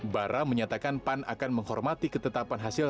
bara menyatakan pan akan menghormati ketetapan hasil